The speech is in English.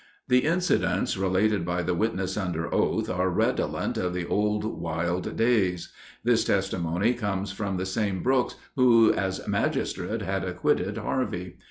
The incidents related by the witness under oath are redolent of the old wild days. This testimony comes from the same Brooks who as magistrate had acquitted Harvey.